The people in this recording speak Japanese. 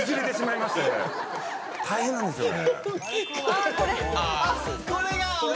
大変なんですよね。